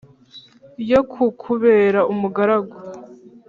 yo kukubera umugaragu